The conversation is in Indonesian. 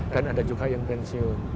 dan ada juga yang pensiun